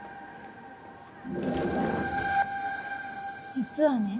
実はね